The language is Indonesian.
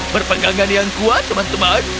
berpegangan yang kuat teman teman